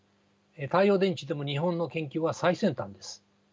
太陽電池でも日本の研究は最先端です。